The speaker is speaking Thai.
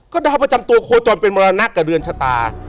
ก็ดาวประจำตัวโคจรเป็นมรณะกับเรือนชะตา